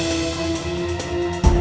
saya sudah selesai mencari